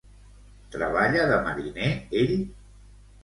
Treballa de mariner ell?